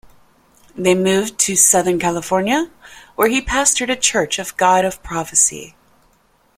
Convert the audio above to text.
They moved to Southern California, where he pastored a Church of God of Prophecy.